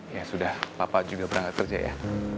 ya sudah papa juga berangkat kerja ya